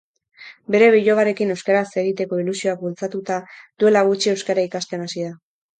Bere bilobarekin euskaraz egiteko ilusioak bultzatuta, duela gutxi euskara ikasten hasi da.